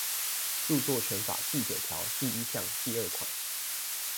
著作權法第九條第一項第二款